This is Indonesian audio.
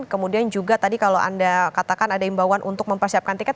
kemudian juga tadi kalau anda katakan ada imbauan untuk mempersiapkan tiket